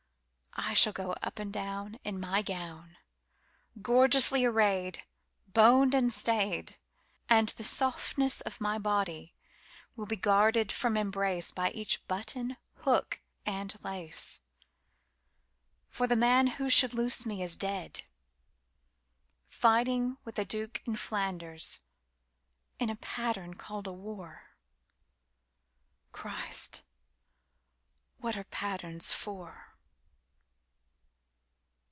I shall goUp and downIn my gown. Gorgeously arrayed, Boned and stayed. And the softness of my body will be guarded from embraceBy each button, hook, and lace. For the man who should loose me is dead, Fighting with the Duke in Flanders, In a pattern called a war. Christ! What are patterns for?